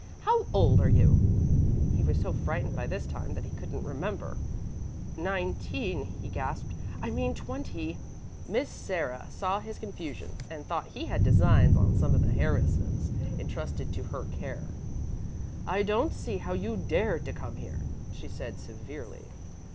'How old are you?' "He was so frightened by this time that he couldn't remember. 'Nineteen,' he gasped 'I mean twenty.' "Miss Sarah saw his confusion, and thought he had designs on some of the heiresses intrusted to her care. 'I don't see how you dared to come here,' she said severely.